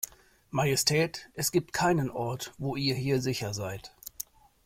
Majestät, es gibt keinen Ort, wo ihr hier sicher seid.